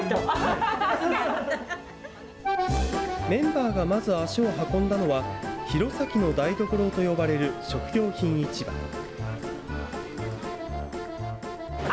メンバーがまず足を運んだのは、弘前の台所と呼ばれる食料品市場。